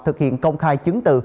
thực hiện công khai chứng tự